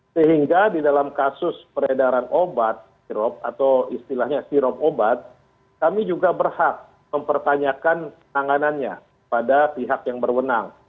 sehingga di dalam kasus peredaran obat sirop atau istilahnya sirop obat kami juga berhak mempertanyakan tanganannya pada pihak yang berwenang